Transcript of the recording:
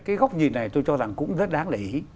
cái góc nhìn này tôi cho rằng cũng rất đáng là ý